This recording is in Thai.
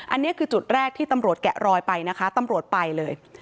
อันนี้คือจุดแรกที่ตำรวจแกะรอยไปนะคะตำรวจไปเลย